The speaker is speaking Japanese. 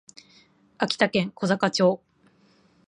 秋田県小坂町